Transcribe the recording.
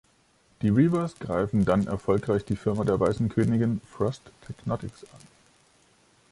Die Reavers greifen dann erfolgreich die Firma der Weißen Königin, Frost Technotics, an.